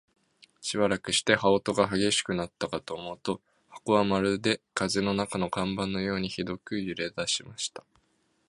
しばらくして、羽音が烈しくなったかと思うと、箱はまるで風の中の看板のようにひどく揺れだしました。